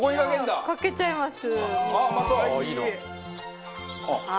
奈緒：かけちゃいます。